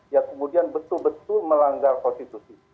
yang kemudian betul betul melanggar konstitusi